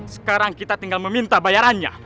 sekarang kita tinggal meminta bayarannya